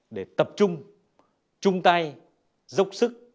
để tập trung trung tay dốc sức